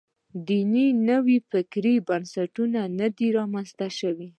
دیني نوفکرۍ بنسټونه نه دي رامنځته شوي.